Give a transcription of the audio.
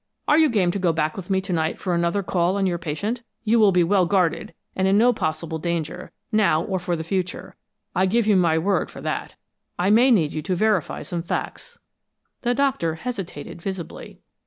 Are you game to go back with me to night for another call on your patient? You will be well guarded and in no possible danger, now or for the future. I give you my word for that. I may need you to verify some facts." The doctor hesitated visibly.